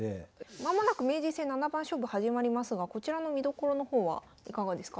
間もなく名人戦七番勝負始まりますがこちらの見どころの方はいかがですか？